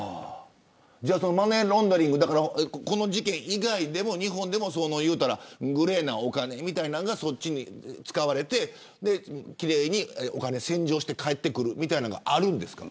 マネーロンダリングこの事件以外でも日本でもグレーなお金みたいなのがそっちに使われて奇麗にお金を洗浄して返ってくるみたいのもあるんですか。